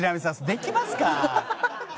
できますか？